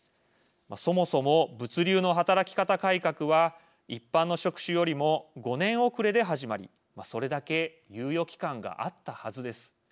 そもそも物流の働き方改革は一般の職種よりも５年遅れで始まりそれだけ猶予期間があったはずです。